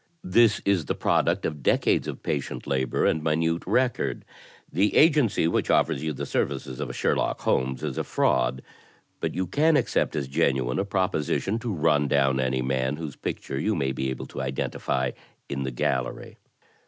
"This is the product of decades of patient labor and minute record. The agency which offers you the services of a Sher lock Holmes is a fraud, but you can accept as genuine a propo sition to nm down any man whose picture you may be able to identify in the gallery.